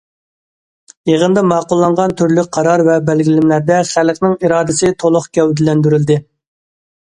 يىغىندا ماقۇللانغان تۈرلۈك قارار ۋە بەلگىلىمىلەردە خەلقنىڭ ئىرادىسى تولۇق گەۋدىلەندۈرۈلدى.